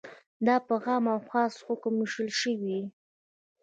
دا په عام او خاص حکم ویشل شوی.